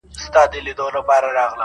o د گل د رويه ځوز هم اوبېږي.